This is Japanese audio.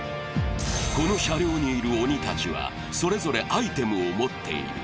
この車両にいる鬼たちは、それぞれアイテムを持っている。